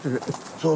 そう。